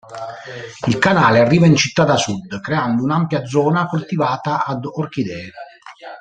Il canale arriva in città da sud, creando un'ampia zona coltivata ad orchidee.